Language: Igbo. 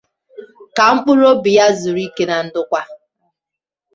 Ka mkpụrụobi ya zuru ike na ndokwa.